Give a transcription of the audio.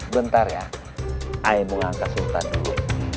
bentar ya ayo angkat sultan dulu